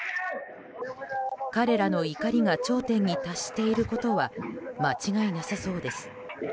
彼らの怒りが頂点に達していることは間違いなさそうです。